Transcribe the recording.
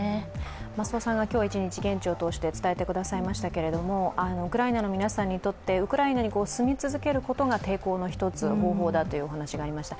増尾さんが今日一日、現地を通して伝えてくださいましたけどウクライナの皆さんにとって、ウクライナに住み続けることが抵抗の１つ、方法だというお話がありました。